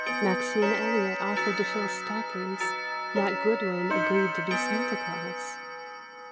Maxine Elliot offered to fill stockings; Nat Goodwin agreed to be Santa Claus.